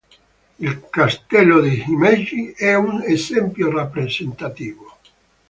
Il castello di Himeji è un esempio rappresentativo.